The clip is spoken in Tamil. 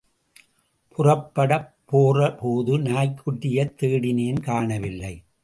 புறப்படப் போறபோது நாய்க் குட்டியைத் தேடினேன் காணவில்லை.